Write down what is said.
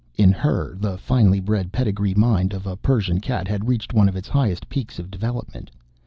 In her, the finely bred pedigree mind of a Persian cat had reached one of its highest peaks of development.